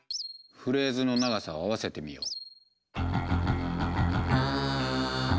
フレーズの長さを合わせてみよう。